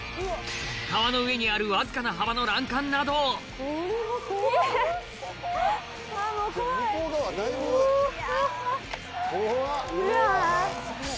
川の上にあるわずかな幅の欄干などをうわ。